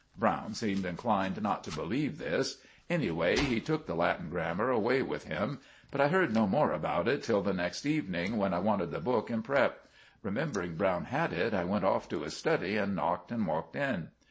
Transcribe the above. Browne seemed inclined not to believe this. Anyway, he took the Latin grammar away with him. But I heard no more about it till the next evening, when I wanted the book in prep. Remembering Browne had it, I went off to his study and knocked and walked in.